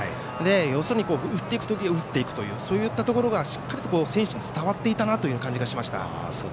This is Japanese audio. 要するに、打っていく時は打っていくというそういったところがしっかりと選手に伝わっていたなという感じがしました。